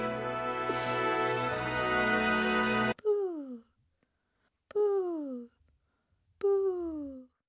プープープー